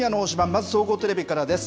まず総合テレビからです。